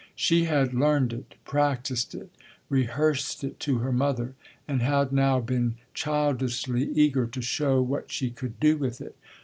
She had learned it, practised it, rehearsed it to her mother, and had now been childishly eager to show what she could do with it.